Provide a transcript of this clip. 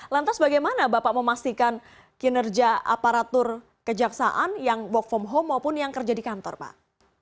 lantas bagaimana bapak memastikan kinerja aparatur kejaksaan yang work from home maupun yang kerja di kantor pak